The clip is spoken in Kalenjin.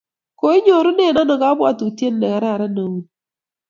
Koinyoru kou ano kabwatutiet ne kararan neu ni